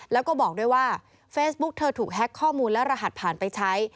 แล้วก็บอกด้วยว่าเฟซบุ๊กเธอถูกแฮ็กข้อมูลและรหัสผ่านไปใช้